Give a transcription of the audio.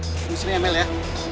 udah tunggu sini ya mel ya